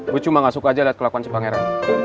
gue cuma gak suka aja liat kelakuan cipangera